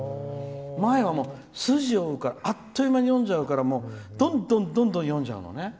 前は筋を追うからあっという間に読んじゃうからどんどん読んじゃうのね。